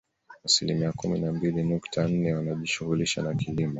Asilimia kumi na mbili nukta nne wanajishughulisha na kilimo